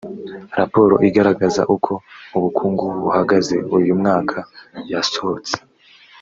raporo igaragaza uko ubukungu buhagaze uyu mwaka yasohotse